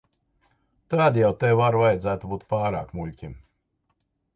Tad jau tev ar vajadzētu būt pārāk muļķim.